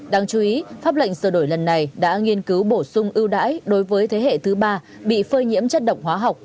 đáng chú ý pháp lệnh sửa đổi lần này đã nghiên cứu bổ sung ưu đãi đối với thế hệ thứ ba bị phơi nhiễm chất độc hóa học